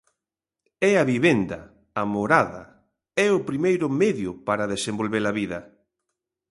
E a vivenda, a morada, é o primeiro medio para desenvolvela vida.